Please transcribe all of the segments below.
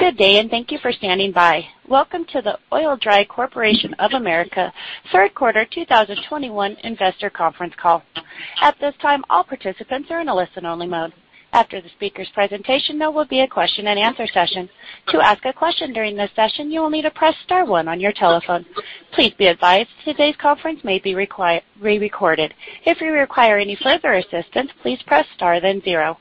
Good day, and thank you for standing by. Welcome to the Oil-Dri Corporation of America third quarter 2021 investor conference call. At this time, all participants are in a listen-only mode. After the speakers' presentation, there will be a question-and-answer session. To ask a question during this session, you will need to press star one on your telephone. Please be advised, today's conference may be recorded. If you require any further assistance, please press star, then zero.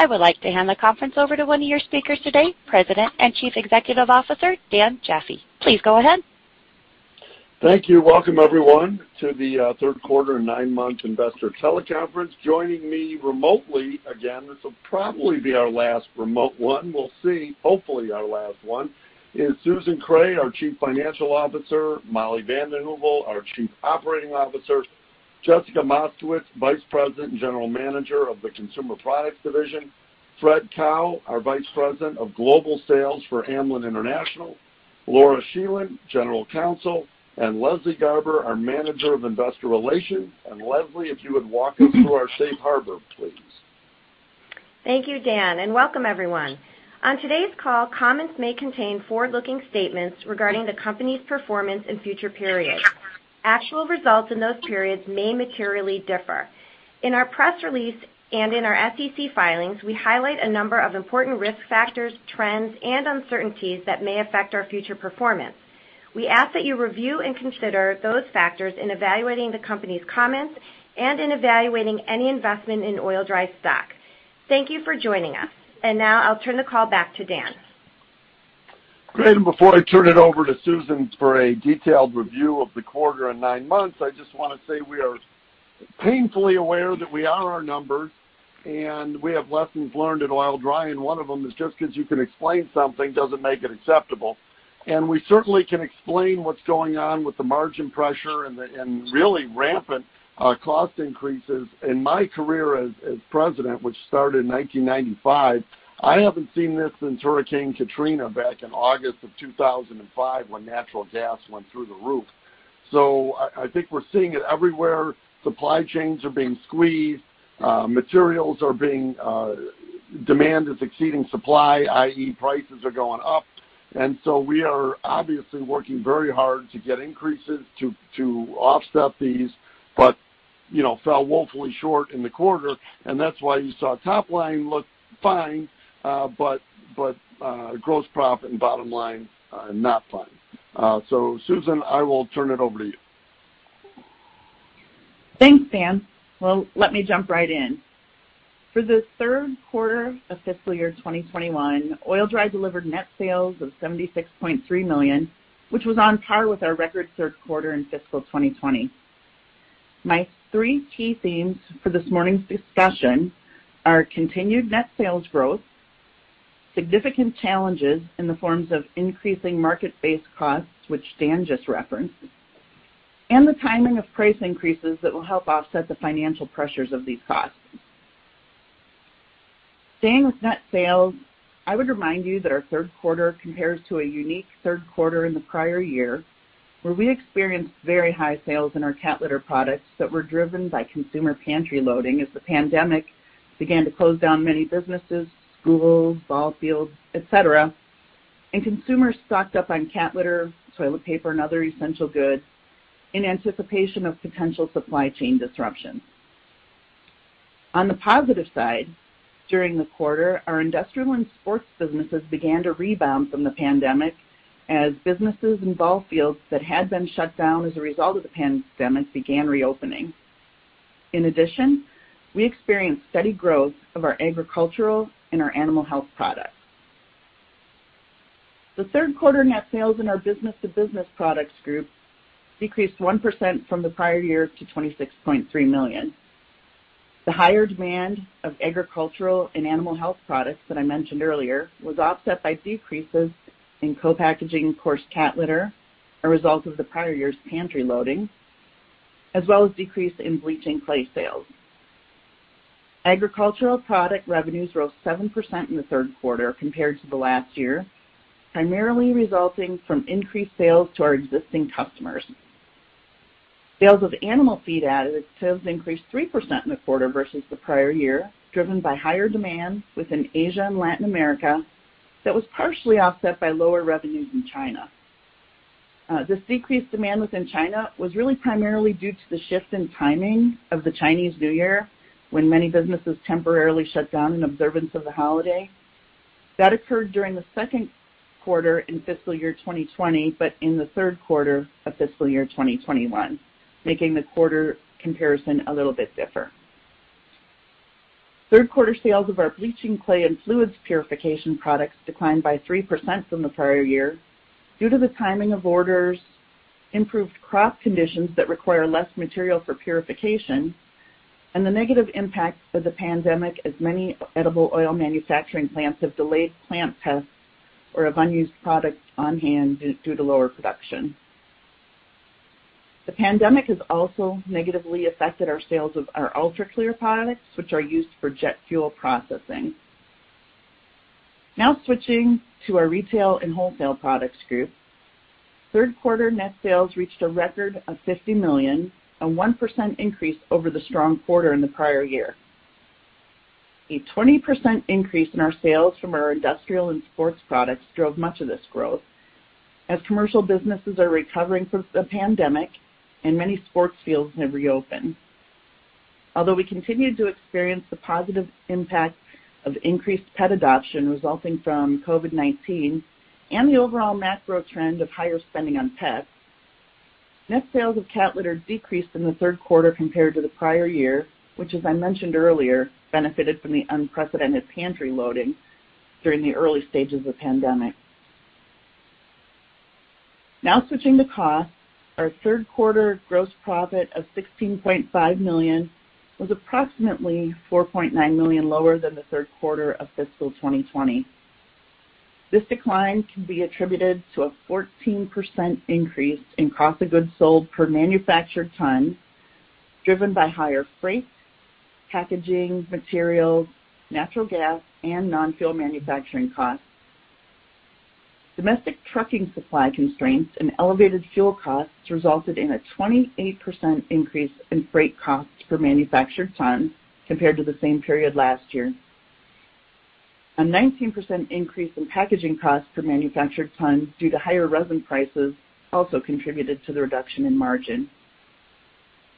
I would like to hand the conference over to one of your speakers today, President and Chief Executive Officer, Dan Jaffe. Please go ahead. Thank you. Welcome, everyone, to the third quarter and nine-month investor teleconference. Joining me remotely, again, this will probably be our last remote one, we'll see, hopefully our last one, is Susan M. Kreh, our Chief Financial Officer, Molly VandenHeuvel, our Chief Operating Officer, Jessica Moskowitz, Vice President and General Manager of the Consumer Products division, Fred Kao, our Vice President of Global Sales for Amlan International, Laura G. Scheland, General Counsel, and Leslie Garber, our Manager of Investor Relations. Leslie, if you would walk us through our safe harbor, please. Thank you, Dan. Welcome everyone. On today's call, comments may contain forward-looking statements regarding the company's performance in future periods. Actual results in those periods may materially differ. In our press release and in our SEC filings, we highlight a number of important risk factors, trends, and uncertainties that may affect our future performance. We ask that you review and consider those factors in evaluating the company's comments and in evaluating any investment in Oil-Dri's stock. Thank you for joining us. Now I'll turn the call back to Dan. Great. Before I turn it over to Susan for a detailed review of the quarter and nine months, I just want to say we are painfully aware that we own our numbers, and we have lessons learned at Oil-Dri, and one of them is just because you can explain something doesn't make it acceptable. We certainly can explain what's going on with the margin pressure and really rampant cost increases. In my career as president, which started in 1995, I haven't seen this since Hurricane Katrina back in August of 2005 when natural gas went through the roof. I think we're seeing it everywhere. Supply chains are being squeezed. Demand is exceeding supply, i.e., prices are going up. We are obviously working very hard to get increases to offset these, but fell woefully short in the quarter, and that's why you saw top line look fine, but gross profit and bottom line, not fine. Susan, I will turn it over to you. Thanks, Dan. Well, let me jump right in. For the third quarter of fiscal year 2021, Oil-Dri delivered net sales of $76.3 million, which was on par with our record third quarter in fiscal 2020. My three key themes for this morning's discussion are continued net sales growth, significant challenges in the forms of increasing market-based costs, which Dan just referenced, and the timing of price increases that will help offset the financial pressures of these costs. Staying with net sales, I would remind you that our third quarter compares to a unique third quarter in the prior year, where we experienced very high sales in our cat litter products that were driven by consumer pantry loading as the pandemic began to close down many businesses, schools, ball fields, et cetera, and consumers stocked up on cat litter, toilet paper, and other essential goods in anticipation of potential supply chain disruptions. On the positive side, during the quarter, our industrial and sports businesses began to rebound from the pandemic as businesses and ball fields that had been shut down as a result of the pandemic began reopening. In addition, we experienced steady growth of our agricultural and our animal health products. The third quarter net sales in our business-to-business products group decreased 1% from the prior year to $26.3 million. The higher demand of agricultural and animal health products that I mentioned earlier was offset by decreases in co-packaging and coarse cat litter, a result of the prior year's pantry loading, as well as decrease in bleaching clay sales. Agricultural product revenues rose 7% in the third quarter compared to the last year, primarily resulting from increased sales to our existing customers. Sales of animal feed additives increased 3% in the quarter versus the prior year, driven by higher demand within Asia and Latin America that was partially offset by lower revenues in China. This decreased demand within China was really primarily due to the shift in timing of the Chinese New Year, when many businesses temporarily shut down in observance of the holiday. That occurred during the second quarter in fiscal year 2020, but in the third quarter of fiscal year 2021, making the quarter comparison a little bit different. Third quarter sales of our bleaching clay and fluids purification products declined by 3% from the prior year due to the timing of orders, improved crop conditions that require less material for purification, and the negative impact of the pandemic as many edible oil manufacturing plants have delayed plant tests or have unused product on hand due to lower production. The pandemic has also negatively affected our sales of our Ultra-Clear products, which are used for jet fuel processing. Switching to our retail and wholesale products group. Third quarter net sales reached a record of $50 million, a 1% increase over the strong quarter in the prior year. A 20% increase in our sales from our industrial and sports products drove much of this growth as commercial businesses are recovering since the pandemic and many sports fields have reopened. We continue to experience the positive impact of increased pet adoption resulting from COVID-19 and the overall macro trend of higher spending on pets, net sales of cat litter decreased in the third quarter compared to the prior year, which as I mentioned earlier, benefited from the unprecedented pantry loading during the early stages of the pandemic. Switching to costs, our third quarter gross profit of $16.5 million was approximately $4.9 million lower than the third quarter of fiscal 2020. This decline can be attributed to a 14% increase in cost of goods sold per manufactured ton, driven by higher freight, packaging materials, natural gas, and non-fuel manufacturing costs. Domestic trucking supply constraints and elevated fuel costs resulted in a 28% increase in freight costs per manufactured ton compared to the same period last year. A 19% increase in packaging costs per manufactured ton due to higher resin prices also contributed to the reduction in margin.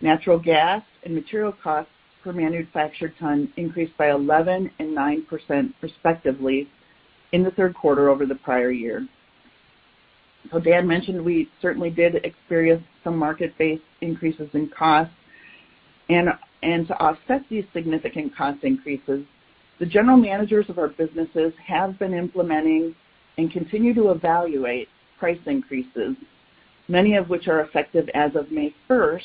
Natural gas and material costs per manufactured ton increased by 11% and 9% respectively in the third quarter over the prior year. As I mentioned, we certainly did experience some market-based increases in costs. To offset these significant cost increases, the general managers of our businesses have been implementing and continue to evaluate price increases, many of which are effective as of May 1st,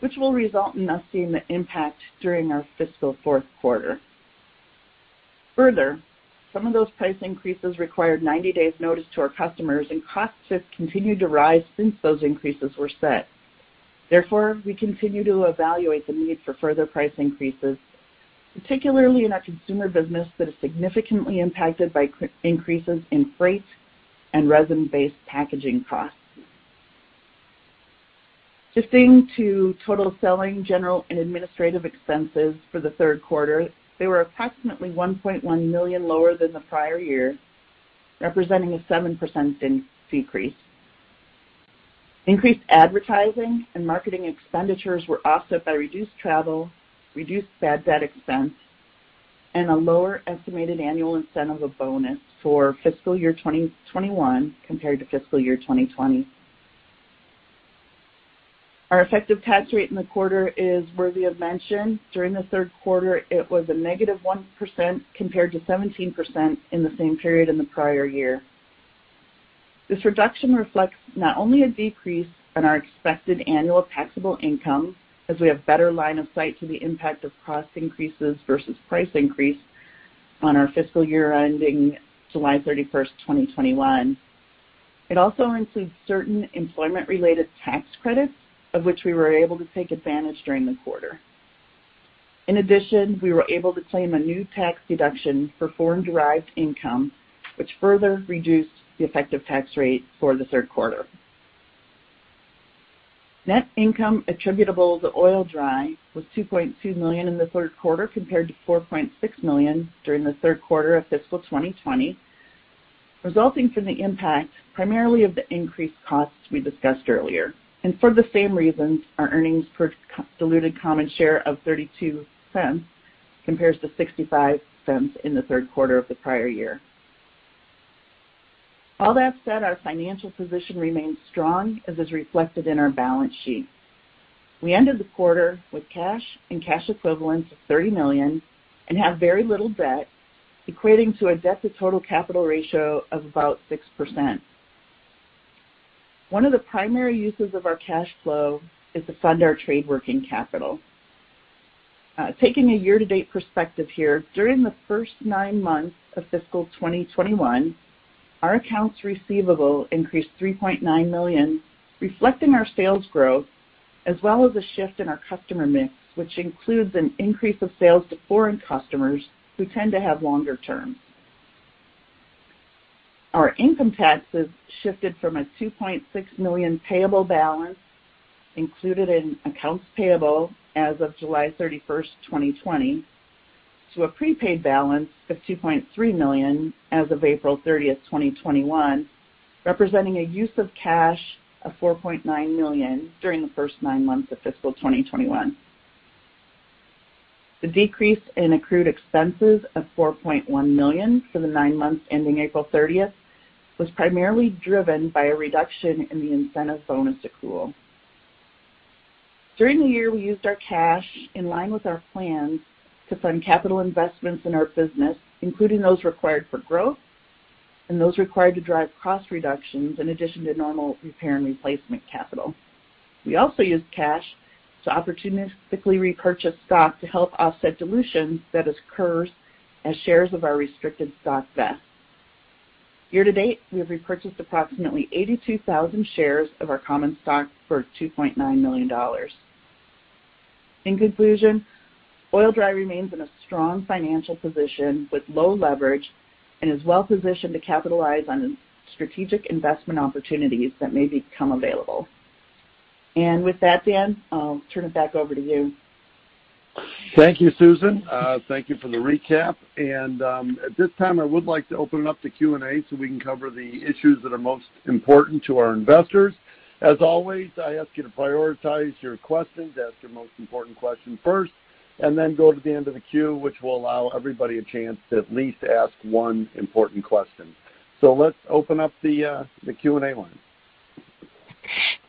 which will result in us seeing the impact during our fiscal fourth quarter. Further, some of those price increases required 90 days notice to our customers and cost shifts continued to rise since those increases were set. Therefore, we continue to evaluate the need for further price increases, particularly in our consumer business that is significantly impacted by increases in freight and resin-based packaging costs. Switching to total selling, general, and administrative expenses for the third quarter, they were approximately $1.1 million lower than the prior year, representing a 7% decrease. Increased advertising and marketing expenditures were offset by reduced travel, reduced bad debt expense, and a lower estimated annual incentive bonus for fiscal year 2021 compared to fiscal year 2020. Our effective tax rate in the quarter is worthy of mention. During the third quarter, it was a -1% compared to 17% in the same period in the prior year. This reduction reflects not only a decrease in our expected annual taxable income as we have better line of sight to the impact of cost increases versus price increase on our fiscal year ending July 31st, 2021. It also includes certain employment-related tax credits of which we were able to take advantage during the quarter. In addition, we were able to claim a new tax deduction for foreign derived income, which further reduced the effective tax rate for the third quarter. Net income attributable to Oil-Dri was $2.2 million in the third quarter compared to $4.6 million during the third quarter of fiscal 2020, resulting from the impact primarily of the increased costs we discussed earlier. For the same reasons, our earnings per diluted common share of $0.32 compares to $0.65 in the third quarter of the prior year. All that said, our financial position remains strong as is reflected in our balance sheet. We ended the quarter with cash and cash equivalents of $30 million and have very little debt, equating to a debt to total capital ratio of about 6%. One of the primary uses of our cash flow is to fund our trade working capital. Taking a year-to-date perspective here, during the first nine months of fiscal 2021, our accounts receivable increased $3.9 million, reflecting our sales growth as well as a shift in our customer mix, which includes an increase of sales to foreign customers who tend to have longer terms. Our income taxes shifted from a $2.6 million payable balance included in accounts payable as of July 31st, 2020, to a prepaid balance of $2.3 million as of April 30th, 2021, representing a use of cash of $4.9 million during the first nine months of fiscal 2021. The decrease in accrued expenses of $4.1 million for the nine months ending April 30th was primarily driven by a reduction in the incentive bonus accrual. During the year, we used our cash in line with our plans to fund capital investments in our business, including those required for growth and those required to drive cost reductions in addition to normal repair and replacement capital. We also used cash to opportunistically repurchase stock to help offset dilution that occurs as shares of our restricted stock vest. Year to date, we have repurchased approximately 82,000 shares of our common stock for $2.9 million. In conclusion, Oil-Dri remains in a strong financial position with low leverage and is well-positioned to capitalize on strategic investment opportunities that may become available. With that, Dan, I'll turn it back over to you. Thank you, Susan. Thank you for the recap. At this time, I would like to open up the Q&A so we can cover the issues that are most important to our investors. As always, I ask you to prioritize your questions. Ask your most important question first, then go to the end of the queue, which will allow everybody a chance to at least ask one important question. Let's open up the Q&A line.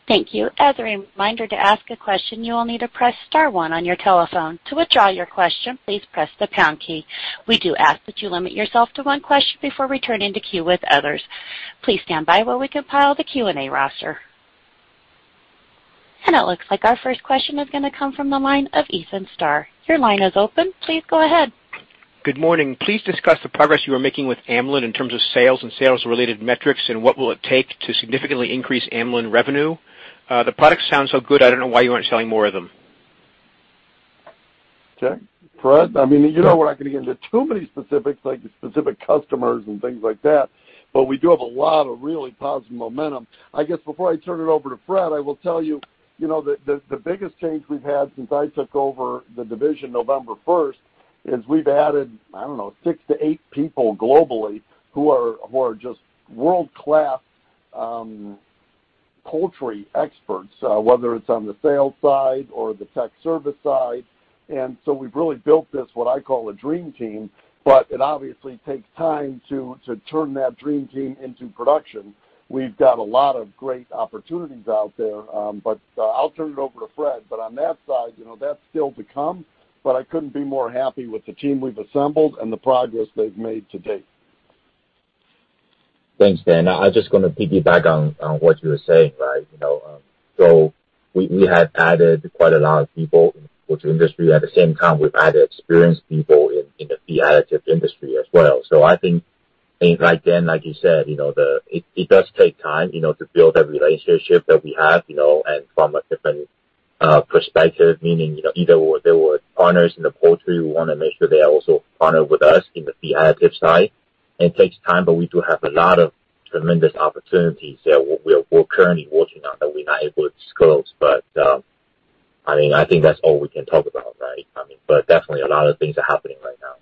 Thank you. As a reminder, to ask a question, you will need to press star one on your telephone. To withdraw your question, please press the pound key. We do ask that you limit yourself to one question before returning to queue with others. Please stand by while we compile the Q&A roster. It looks like our first question is going to come from the line of Ethan Starr. Your line is open. Please go ahead. Good morning. Please discuss the progress you are making with Amlan in terms of sales and sales-related metrics, and what will it take to significantly increase Amlan revenue? The products sound so good, I don't know why you aren't selling more of them. Okay, Fred? You know we're not going to get into too many specifics, like the specific customers and things like that. We do have a lot of really positive momentum. I guess before I turn it over to Fred, I will tell you that the biggest change we've had since I took over the division November 1st is we've added, I don't know, six to eight people globally who are just world-class poultry experts, whether it's on the sales side or the tech service side. We've really built this, what I call a dream team. It obviously takes time to turn that dream team into production. We've got a lot of great opportunities out there. I'll turn it over to Fred. On that side, that's still to come, but I couldn't be more happy with the team we've assembled and the progress they've made to date. Thanks, Dan. I'm just going to piggyback on what you were saying. We have added quite a lot of people in the poultry industry. At the same time, we've added experienced people in the feed additive industry as well. I think, Dan, like you said, it does take time to build that relationship that we have and from a different perspective, meaning if they were partners in the poultry, we want to make sure they also partner with us in the feed additive side. It takes time, but we do have a lot of tremendous opportunities that we're currently working on that we're not able to disclose. I think that's all we can talk about. Definitely a lot of things are happening right now.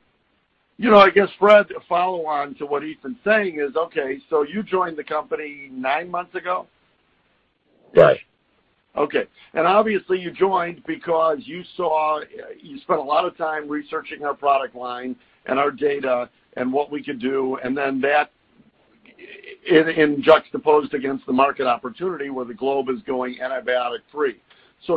I guess, Fred, a follow on to what Ethan's saying is, okay, so you joined the company nine months ago? Right. Okay. Obviously you joined because you spent a lot of time researching our product line and our data and what we could do, and then that, and juxtaposed against the market opportunity where the globe is going antibiotic-free.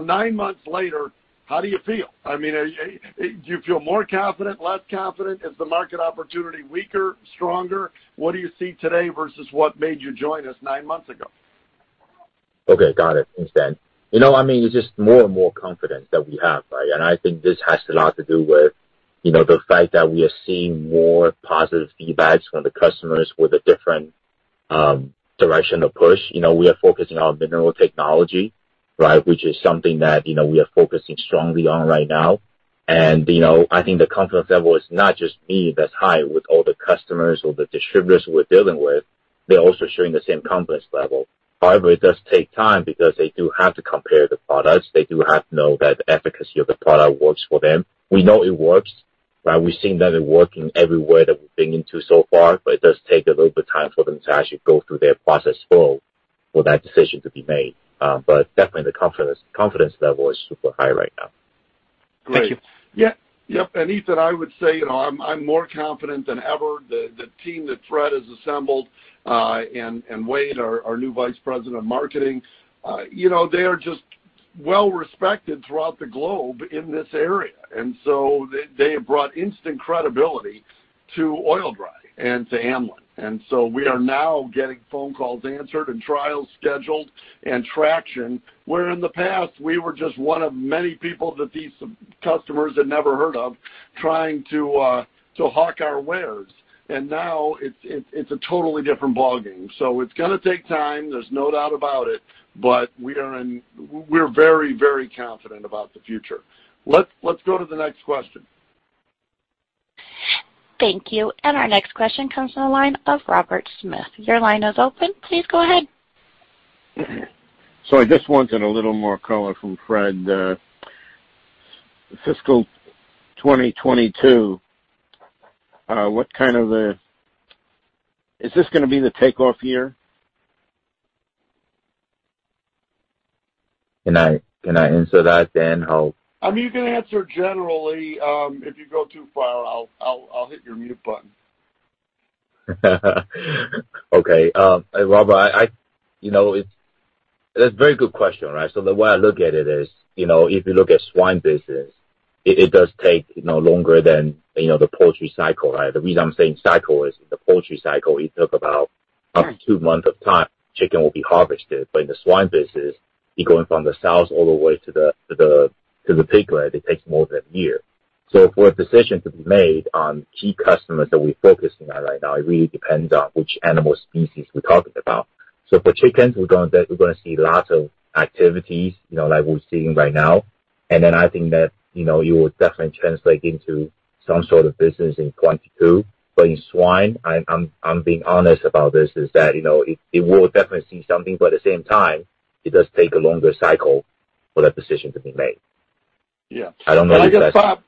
Nine months later, how do you feel? Do you feel more confident, less confident? Is the market opportunity weaker, stronger? What do you see today versus what made you join us nine months ago? Okay, got it. Thanks, Dan. I mean, it's just more and more confidence that we have. I think this has a lot to do with the fact that we are seeing more positive feedback from the customers with a different direction of push. We are focusing on mineral technology. Which is something that we are focusing strongly on right now. I think the confidence level is not just me that's high with all the customers or the distributors we're dealing with. They're also sharing the same confidence level. However, it does take time because they do have to compare the products. They do have to know that the efficacy of the product works for them. We know it works. We've seen that it working everywhere that we've been into so far, but it does take a little bit time for them to actually go through their process flow for that decision to be made. Definitely the confidence level is super high right now. Great. Yep. Ethan, I would say, I'm more confident than ever. The team that Fred has assembled, and Wade, our new vice president of marketing, they are just well respected throughout the globe in this area. They have brought instant credibility to Oil-Dri and to Amlan. We are now getting phone calls answered and trials scheduled and traction, where in the past we were just one of many people that these customers had never heard of trying to hawk our wares. Now it's a totally different ballgame. It's going to take time, there's no doubt about it, but we're very, very confident about the future. Let's go to the next question. Thank you. Our next question comes from the line of Robert Smith. Your line is open. Please go ahead. I just wanted a little more color from Fred. Fiscal 2022, is this going to be the takeoff year? Can I answer that, Dan? You can answer generally. If you go too far, I'll hit your mute button. Okay. Robert, that's a very good question. The way I look at it is, if you look at swine business, it does take longer than the poultry cycle. The reason I'm saying cycle is the poultry cycle, it takes about up to two months of time, chicken will be harvested. In the swine business, it goes from the sows all the way to the pig, it takes more than one year. For a decision to be made on key customers that we're focusing on right now, it really depends on which animal species we're talking about. For chickens, we're going to see lots of activities like we're seeing right now. I think that it will definitely translate into some sort of business in 2022. In swine, I'm being honest about this, is that it will definitely see something, but at the same time, it does take a longer cycle for that decision to be made. Yeah. I don't know the best. I guess, Bob,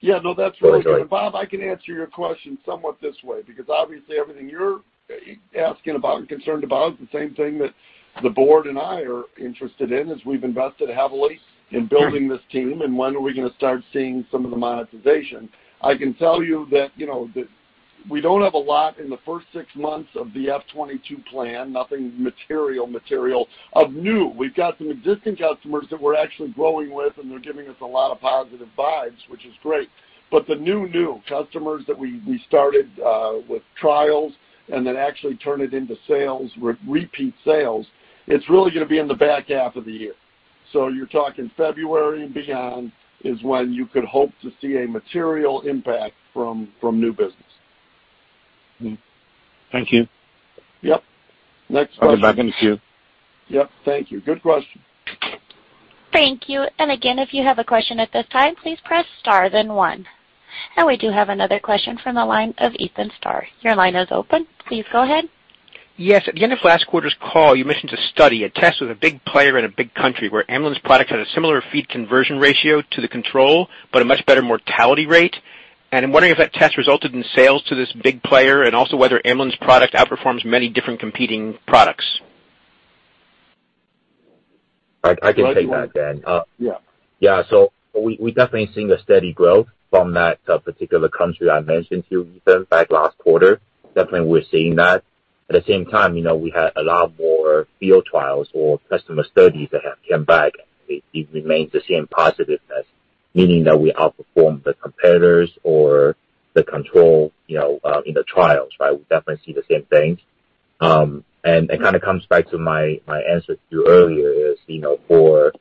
yeah, no, that's really good. Really good. Bob, I can answer your question somewhat this way, because obviously everything you're asking about or concerned about is the same thing that the board and I are interested in as we've invested heavily in building this team, and when are we going to start seeing some of the monetization. I can tell you that we don't have a lot in the first six months of the FY 2022 plan, nothing material of new. We've got some existing customers that we're actually growing with, and they're giving us a lot of positive vibes, which is great. The new customers that we started with trials and then actually turn it into sales, repeat sales, it's really going to be in the back half of the year. You're talking February and beyond is when you could hope to see a material impact from new business. Thank you. Yep. Next question. I'll go back in queue. Yep. Thank you. Good question. Thank you. Again, if you have a question at this time, please press star then one. We do have another question from the line of Ethan Starr. Your line is open. Please go ahead. At the end of last quarter's call, you mentioned a study, a test with a big player in a big country where Amlan's product had a similar feed conversion ratio to the control, but a much better mortality rate. I'm wondering if that test resulted in sales to this big player and also whether Amlan's product outperforms many different competing products. I can take that, Dan. Yeah. Yeah. We're definitely seeing a steady growth from that particular country I mentioned to you, Ethan, back last quarter. Definitely, we're seeing that. At the same time, we had a lot more field trials or customer studies that have come back. It remains the same positiveness, meaning that we outperform the competitors or the control in the trials. We definitely see the same things. It comes back to my answer to you earlier, is for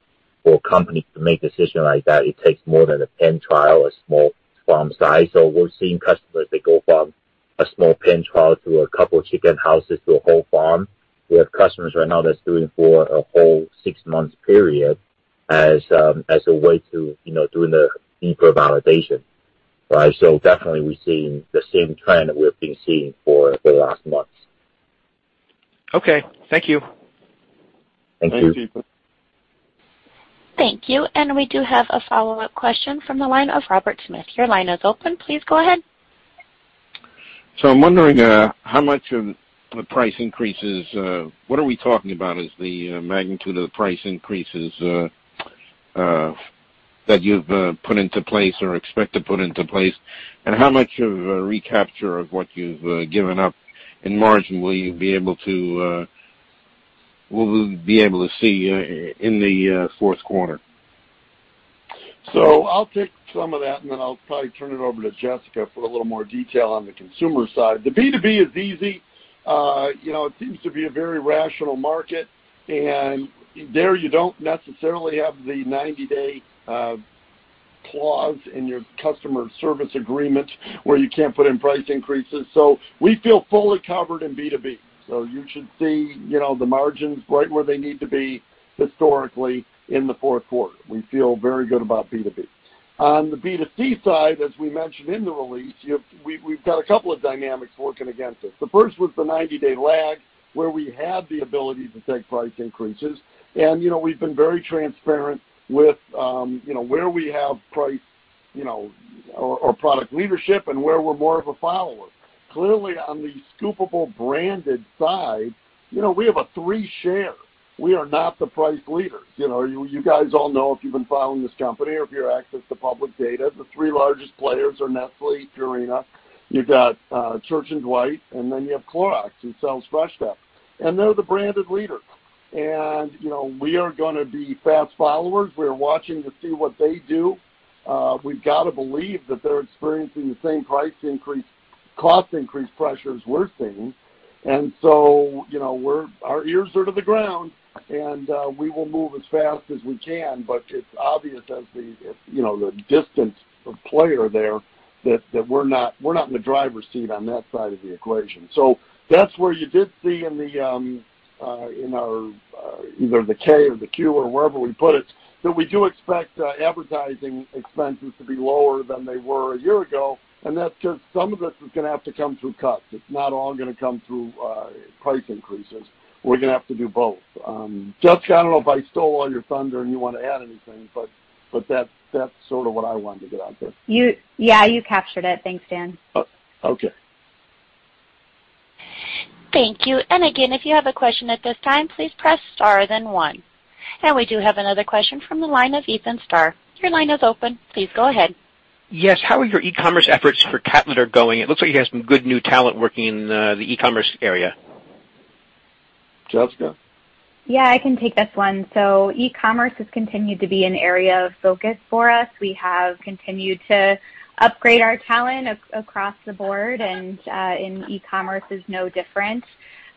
a company to make a decision like that, it takes more than a pen trial, a small farm size. We're seeing customers that go from a small pen trial to a couple chicken houses to a whole farm. We have customers right now that's doing for a whole six-month period as a way to doing a deeper validation. Definitely we're seeing the same trend we've been seeing for the last months. Okay. Thank you. Thank you. Thanks, Ethan. Thank you. We do have a follow-up question from the line of Robert Smith. Your line is open. Please go ahead. I'm wondering how much of the price increases, what are we talking about as the magnitude of the price increases that you've put into place or expect to put into place, and how much of a recapture of what you've given up in margin will we be able to see in the fourth quarter? I'll take some of that, and then I'll probably turn it over to Jessica for a little more detail on the consumer side. The B2B is easy. It seems to be a very rational market, and there you don't necessarily have the 90-day clause in your customer service agreements where you can't put in price increases. We feel fully covered in B2B. You should see the margins right where they need to be historically in the fourth quarter. We feel very good about B2B. On the B2C side, as we mentioned in the release, we've got a couple of dynamics working against us. The first was the 90-day lag where we had the ability to take price increases, and we've been very transparent with where we have price or product leadership and where we're more of a follower. Clearly, on the scoopable branded side, we have a 3% share. We are not the price leaders. You guys all know if you've been following this company or if you access the public data, the three largest players are Nestlé Purina, you got Church & Dwight, and then you have Clorox, who sells Fresh Step. They're the branded leaders. We are going to be fast followers. We are watching to see what they do. We've got to believe that they're experiencing the same price increase, cost increase pressures we're seeing. Our ears are to the ground, and we will move as fast as we can. It's obvious as the distant player there that we're not in the driver's seat on that side of the equation. That's where you did see in either the K or the Q or wherever we put it, that we do expect advertising expenses to be lower than they were a year ago. That's because some of it is going to have to come through cuts. It's not all going to come through price increases. We're going to have to do both. Jessica, I don't know if I stole all your thunder and you want to add anything, but that's sort of what I wanted to get out there. Yeah, you captured it. Thanks, Dan. Okay. Thank you. Again, if you have a question at this time, please press star then one. We do have another question from the line of Ethan Starr. Your line is open. Please go ahead. Yes. How are your e-commerce efforts for Cat Litter going? It looks like you have some good new talent working in the e-commerce area. Jessica. Yeah, I can take this one. E-commerce has continued to be an area of focus for us. We have continued to upgrade our talent across the board, and e-commerce is no different.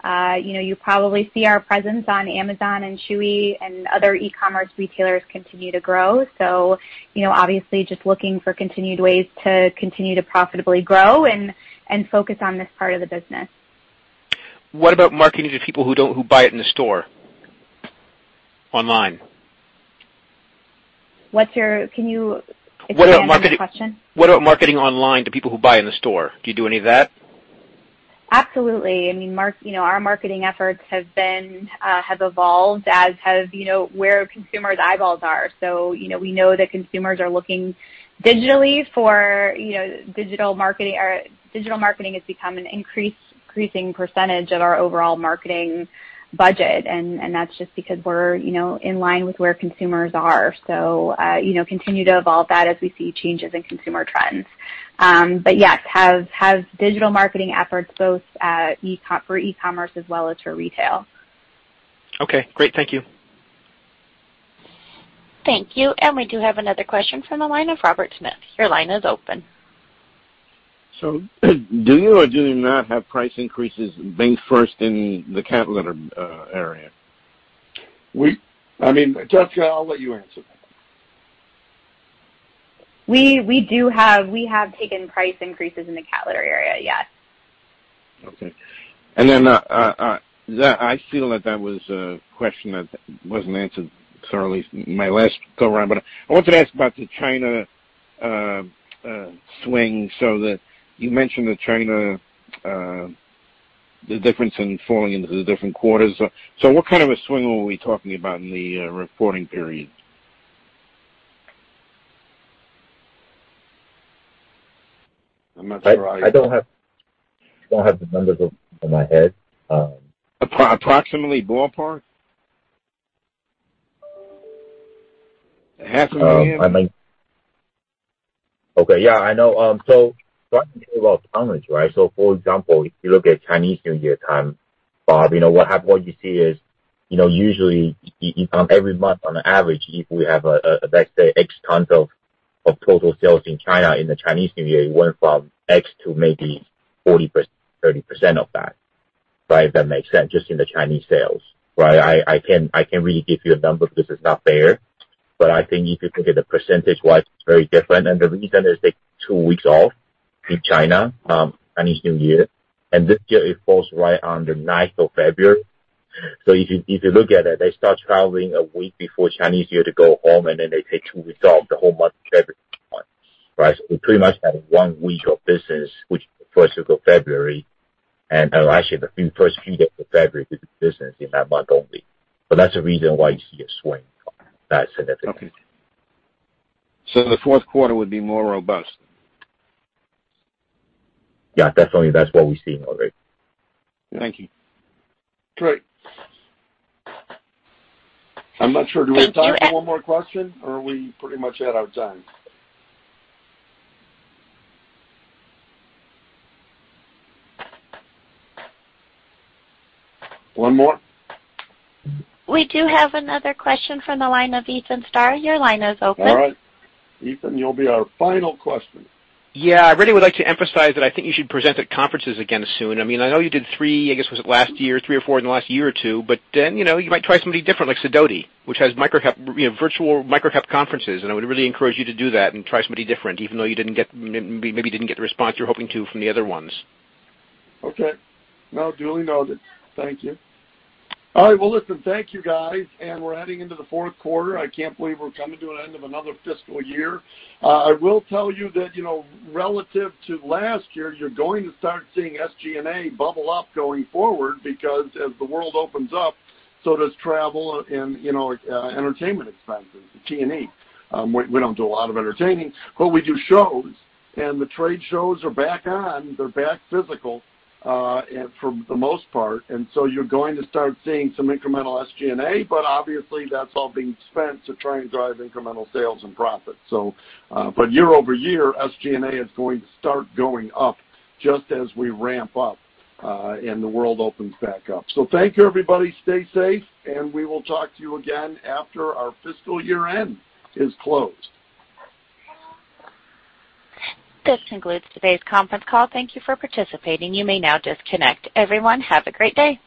You probably see our presence on Amazon and Chewy and other e-commerce retailers continue to grow. Obviously, just looking for continued ways to continue to profitably grow and focus on this part of the business. What about marketing to people who buy it in the store online? Can you repeat the question? What about marketing online to people who buy in the store? Do you do any of that? Absolutely. Our marketing efforts have evolved as have where consumers' eyeballs are. We know that consumers are looking digitally for digital marketing. Digital marketing has become an increasing percentage of our overall marketing budget, and that's just because we're in line with where consumers are. Continue to evolve that as we see changes in consumer trends. Yes, have digital marketing efforts, both for e-commerce as well as for retail. Okay, great. Thank you. Thank you. We do have another question from the line of Robert Smith. Your line is open. Do you or do you not have price increases banked first in the cat litter area? Jess, I'll let you answer that. We have taken price increases in the Cat Litter area, yes. Okay. I feel that that was a question that wasn't answered thoroughly my last go around. I wanted to ask about the China swing. You mentioned the China, the difference in falling into the different quarters. What kind of a swing are we talking about in the reporting period? I'm not sure I- I don't have the numbers off the top of my head. Approximately, ballpark? Half a million? Okay, yeah, I know. Talking about patterns. For example, if you look at Chinese New Year time, Bob, what you see is usually every month on average, if we have, let's say, X tons of total sales in China in the Chinese New Year, it went from X to maybe 40%, 30% of that. If that makes sense, just in the Chinese sales. I can't really give you a number because it's not there. I think if you look at the percentage-wise, it's very different. The reason is they take two weeks off in China, Chinese New Year, and this year it falls right on the February 9th. If you look at it, they start traveling a week before Chinese New Year to go home, and then they take two weeks off the whole month of February. We pretty much have one week of business, which is the first week of February, and actually the first few days of February to do business in that month only. That's the reason why you see a swing that significantly. Okay. The fourth quarter would be more robust. Yeah, definitely. That's what we've seen already. Thank you. Great, I'm not sure, do we have time for one more question, or are we pretty much out of time? One more? We do have another question from the line of Ethan Starr. Your line is open. All right. Ethan, you'll be our final question. I really would like to emphasize that I think you should present at conferences again soon. I know you did three, I guess it was last year, three or four in the last year or two, you might try somebody different, like Sidoti, which has virtual microcap conferences, I would really encourage you to do that and try somebody different, even though maybe you didn't get the response you're hoping to from the other ones. Okay. No, duly noted. Thank you. All right. Well, listen, thank you, guys. We're heading into the fourth quarter. I can't believe we're coming to an end of another fiscal year. I will tell you that relative to last year, you're going to start seeing SG&A bubble up going forward because as the world opens up, so does travel and entertainment expenses, the T&E. We don't do a lot of entertaining. We do shows. The trade shows are back on. They're back physical for the most part. You're going to start seeing some incremental SG&A. Obviously that's all being spent to try and drive incremental sales and profit. Year-over-year, SG&A is going to start going up just as we ramp up and the world opens back up. Thank you, everybody. Stay safe. We will talk to you again after our fiscal year-end is closed. This concludes today's conference call. Thank you for participating. You may now disconnect. Everyone, have a great day.